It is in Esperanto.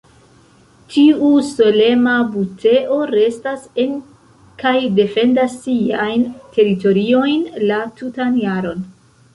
Tiu solema buteo restas en kaj defendas siajn teritoriojn la tutan jaron.